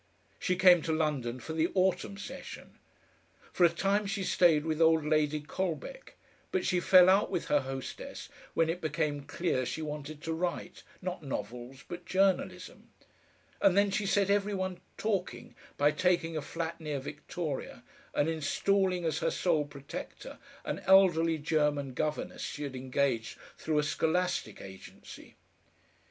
She came to London for the autumn session. For a time she stayed with old Lady Colbeck, but she fell out with her hostess when it became clear she wanted to write, not novels, but journalism, and then she set every one talking by taking a flat near Victoria and installing as her sole protector an elderly German governess she had engaged through a scholastic agency.